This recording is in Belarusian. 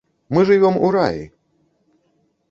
Мы жывём у раі.